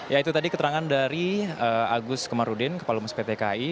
ya itu tadi keterangan dari agus komarudin kepala humas pt kai